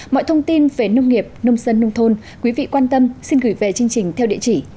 mọi thông tin về nông nghiệp nông dân nông thôn quý vị quan tâm xin gửi về chương trình theo địa chỉ